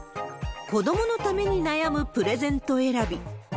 子どものために悩むプレゼント選び。